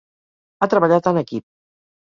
Ha treballat en equip.